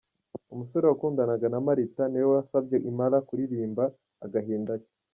Umusore wakundanaga na Marita ni we wasabye Impala kuririmba agahinda ke.